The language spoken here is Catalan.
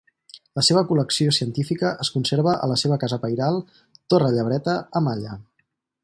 La seva col·lecció científica es conserva a la seva casa pairal Torrellebreta a Malla.